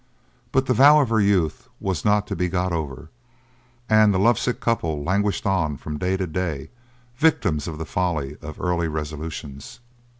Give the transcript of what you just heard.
But the vow of her youth was not to be got over, and the lovesick couple languished on from day to day, victims to the folly of early resolutions.